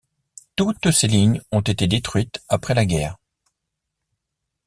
Toutes ces lignes ont été détruites après la guerre.